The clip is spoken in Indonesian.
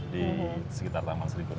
di sekitar taman serigunting